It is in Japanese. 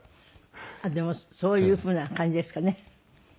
でもそういう風な感じですかね。